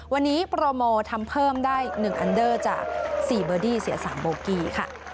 วันนี้โปรโมทำเพิ่มได้๑อันเดอร์จาก๔เบอร์ดี้เสีย๓โบกี้ค่ะ